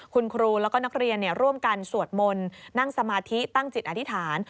คุณครูแล้วก็นักเรียนร่วมกันสวดมนต์นั่งสมาธิตั้งจิตอธิษฐาน